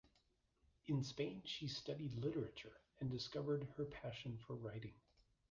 In Spain she studied literature and discovered her passion for writing.